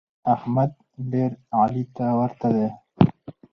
احمد ډېر علي ته ورته دی.